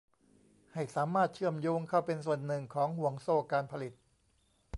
ให้สามารถเชื่อมโยงเข้าเป็นส่วนหนึ่งของห่วงโซ่การผลิต